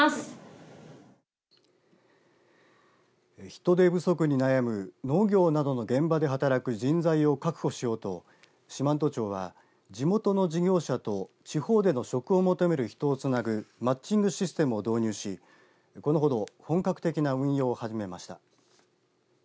人手不足に悩む農業などの現場で働く人材を確保しようと四万十町は地元の事業者と地方での職を求める人をつなぐマッチングシステムを導入しこのほど本格的な運用を始めました。